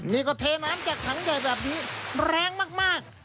นี่ก็เทน้ำจากถังใหญ่แบบนี้แรงมาก